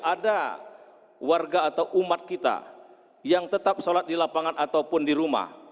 ada warga atau umat kita yang tetap sholat di lapangan ataupun di rumah